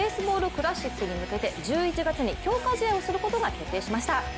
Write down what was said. クラシックに向けて１１月に強化試合をすることが決定しました。